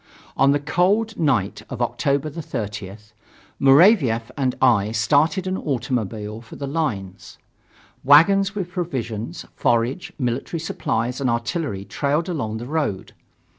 On the cold night of October 30th, Muravief and I started by automobile for the lines. Wagons with provisions, forage, military supplies and artillery trailed along the road.